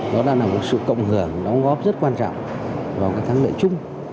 nó đã là một sự cộng hưởng đóng góp rất quan trọng vào cái thắng lợi chung